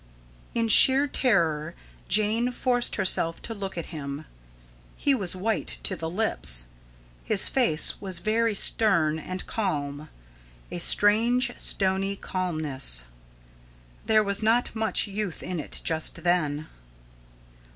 In sheer terror Jane forced herself to look at him. He was white to the lips. His face was very stern and calm a strange, stony calmness. There was not much youth in it just then.